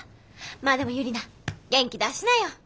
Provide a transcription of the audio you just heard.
まあでもユリナ元気出しなよ。